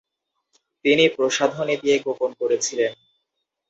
তিনি প্রসাধনী দিয়ে গোপন করেছিলেন।